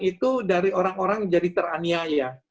itu dari orang orang jadi teraniaya